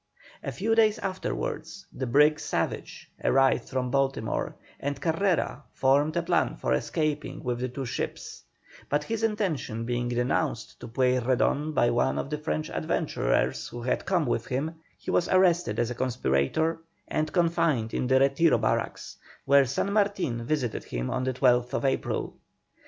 A few days afterwards the brig Savage arrived from Baltimore, and Carrera formed a plan for escaping with the two ships, but his intention being denounced to Pueyrredon by one of the French adventurers who had come with him, he was arrested as a conspirator, and confined in the Retiro Barracks, where San Martin visited him on the 12th April.